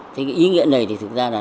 thế cái ý nghĩa này thì thực ra là